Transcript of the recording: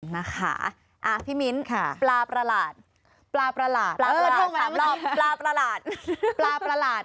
นะคะพี่มิ้นค่ะปลาประหลาดปลาประหลาดปลาประหลาดปลาประหลาด